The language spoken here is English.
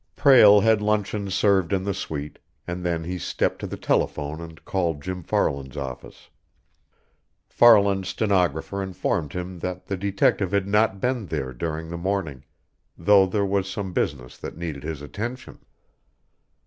Prale had luncheon served in the suite, and then he stepped to the telephone and called Jim Farland's office. Farland's stenographer informed him that the detective had not been there during the morning, though there was some business that needed his attention.